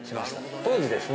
当時ですね